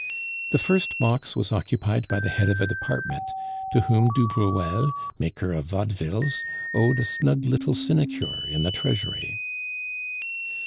The first box was occupied by the head of a department, to whom du Bruel, maker of vaudevilles, owed a snug little sinecure in the Treasury.